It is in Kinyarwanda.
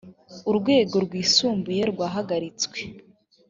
urwego rwisumbuye rwahagaritswe